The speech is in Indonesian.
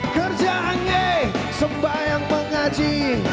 kerjaannya sembahyang mengaji